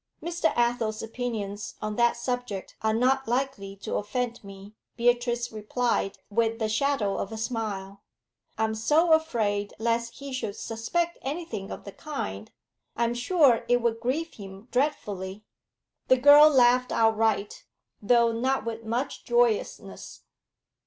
'Mr. Athel's opinions on that subject are not likely to offend me,' Beatrice replied, with the shadow of a smile. 'I am so afraid lest he should suspect anything of the kind. I am sure it would grieve him dreadfully.' The girl laughed outright, though not with much joyousness.